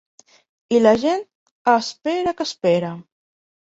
I la gent, espera que espera.